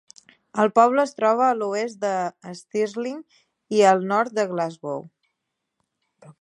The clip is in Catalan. El poble es troba a l'oest de Stirling i al nord de Glasgow.